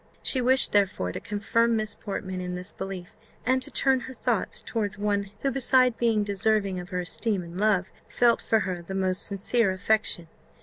She wished, therefore, to confirm Miss Portman in this belief, and to turn her thoughts towards one who, beside being deserving of her esteem and love, felt for her the most sincere affection.